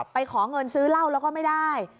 ไปขอเงินซื้อเหล้าแล้วก็ไม่ได้